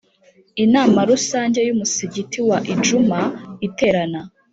Inama Rusange y Umusigiti wa Idjuma iterana